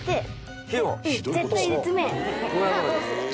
さあどうする？